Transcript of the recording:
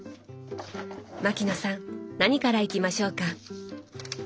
牧野さん何からいきましょうか？